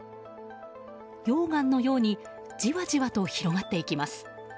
溶岩のようにじわじわと広がっていきます。